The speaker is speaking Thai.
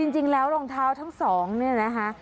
จริงแล้วรองเท้าทั้งสองเนี่ยนะคะ